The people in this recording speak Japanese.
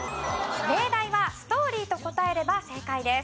例題は「ストーリー」と答えれば正解です。